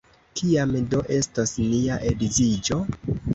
Kiam do estos nia edziĝo?